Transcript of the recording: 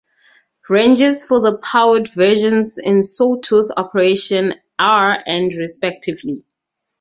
Ranges for the powered versions in saw-tooth operation are and respectively.